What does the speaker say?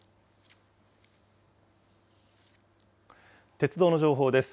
鉄道の情報です。